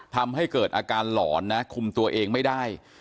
ทำให้เกิดอาการหลอนนะคุมตัวเองไม่ได้